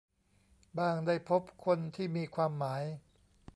บ้างได้พบคนที่มีความหมาย